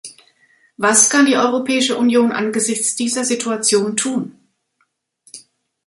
Was kann die Europäische Union angesichts dieser Situation tun?